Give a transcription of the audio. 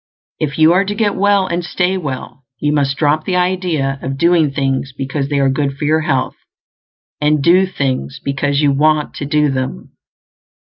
If you are to get well and stay well, you must drop the idea of doing things because they are good for your health, and do things because you want to do them.